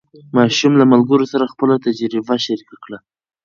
ماشوم له ملګرو سره خپله تجربه شریکه کړه